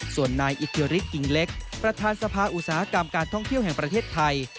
ส่วนนายอิทธิฤทธิกิ่งเล็กประธานสภาอุตสาหกรรมการท่องเที่ยวแห่งประเทศไทย